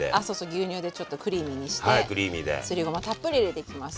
牛乳でちょっとクリーミーにしてすりごまたっぷり入れていきます。